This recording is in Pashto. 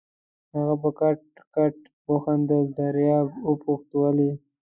هغه په کټ کټ وخندل، دریاب وپوښت: ولې؟